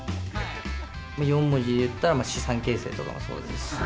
四文字で言ったら、資産形成とかもそうですし。